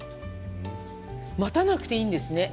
待たないでいいんですね。